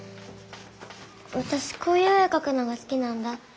わたしこういう絵かくのが好きなんだ。